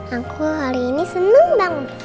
aku hari ini seneng dong